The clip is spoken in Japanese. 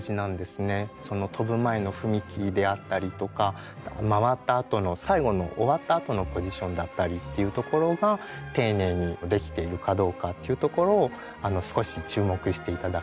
その跳ぶ前の雰囲気であったりとか回ったあとの最後の終わったあとのポジションだったりっていうところが丁寧にできているかどうかっていうところを少し注目して頂ければ。